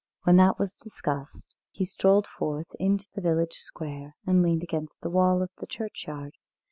When that was discussed, he strolled forth into the village square, and leaned against the wall of the churchyard.